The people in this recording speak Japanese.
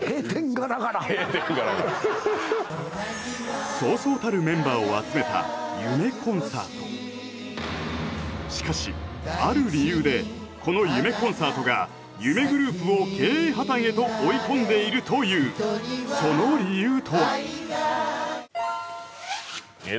ガラガラそうそうたるメンバーを集めた夢コンサートしかしある理由でこの夢コンサートが夢グループを経営破綻へと追い込んでいるというその理由とは？